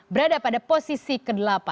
berada pada posisi ke delapan